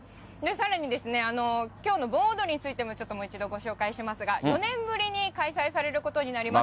さらにですね、きょうの盆踊りについてもちょっともう一度ご紹介しますが、４年ぶりに開催されることになります。